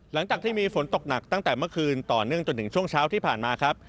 หลังจากที่มีฝนตกหนักตั้งแต่เมื่อคืนต่อเนื่องจนถึงช่วงเช้าที่ผ่านมาครับ